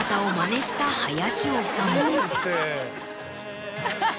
アハハハ。